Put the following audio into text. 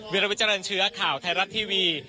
วิราวิทยาลัยเชื้อข่าวไทยรัฐทีวี